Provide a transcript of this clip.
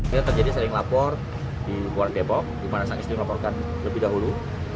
kita terjadi saling lapor di polres depok dimana sang istri melaporkan lebih dahulu